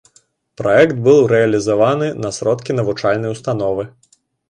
Праект быў рэалізаваны на сродкі навучальнай установы.